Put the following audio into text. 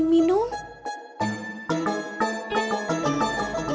buat minum ya